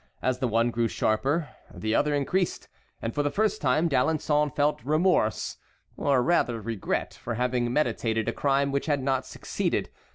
As the one grew sharper, the other increased, and for the first time D'Alençon felt remorse, or rather regret for having meditated a crime which had not succeeded.